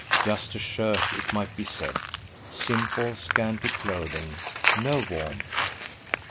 Just a shirt, it might be said: simple scanty clothing, no warmth.